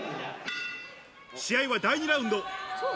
試合は第２ラウンド。